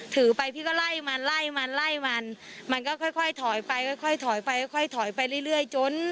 ถือไปพี่ก็ไล่มันไล่มันไล่มันมันก็ค่อยถอยไปค่อยถอยไปค่อยถอยไปเรื่อยจน